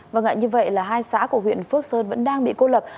vâng ạ như vậy là hai xã của huyện phước sơn vẫn đang bị cô lập